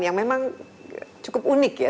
yang memang cukup unik ya